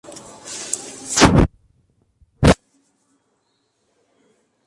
Hata hivyo kiwango cha homoni hii kwa wanaume huwa mara saba ikilinganishwa na wanawake.